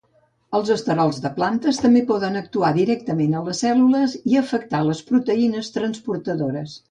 Els esterols de plantes també poden actuar directament a les cèl·lules i afectar les proteïnes transportadores.